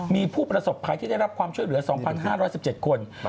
มีผู้ประสบภัยที่ได้รับความช่วยเหลือ๒๕๑๗คน